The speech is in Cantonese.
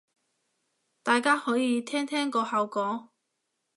大家可以聽聽個效果